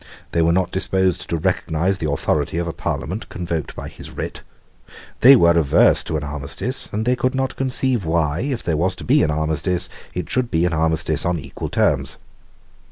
They were not disposed to recognise the authority of a Parliament convoked by his writ. They were averse to an armistice; and they could not conceive why, if there was to be an armistice, it should be an armistice on equal terms.